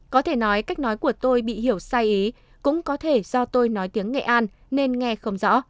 có thể nói cách nói của tôi bị hiểu sai ý cũng có thể do tôi nói tiếng nghệ an nên nghe không rõ